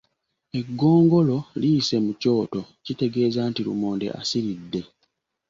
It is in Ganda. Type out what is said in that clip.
Eggongolo liyise mu kyoto kitegeeza nti lumonde asiridde.